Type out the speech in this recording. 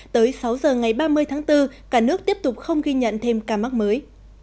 tới sáu giờ ngày ba mươi tháng bốn cả nước tiếp tục không ghi nhận thêm ca mắc mới